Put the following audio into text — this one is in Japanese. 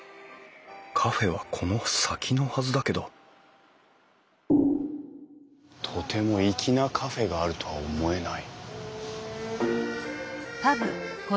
カフェはこの先のはずだけどとても粋なカフェがあるとは思えない。